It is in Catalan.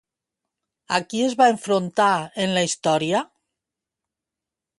A qui es va enfrontar en la història?